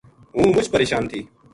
ہوں مُچ پرشان تھی